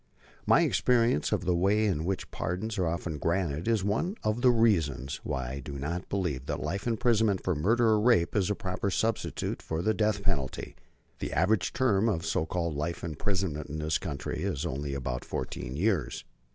My experience of the way in which pardons are often granted is one of the reasons why I do not believe that life imprisonment for murder and rape is a proper substitute for the death penalty. The average term of so called life imprisonment in this country is only about fourteen years.